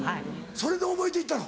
それで覚えて行ったの？